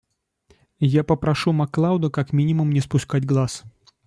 Я попрошу Маклауда как минимум не спускать глаз.